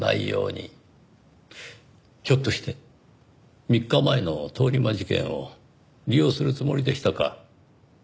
ひょっとして３日前の通り魔事件を利用するつもりでしたか？